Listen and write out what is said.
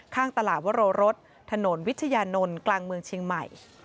ข้างตลาดวโรรสถนนวิทยานนท์กลางเมืองเชียงใหม่